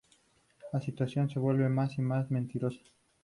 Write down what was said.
La situación se vuelve más y más misteriosa.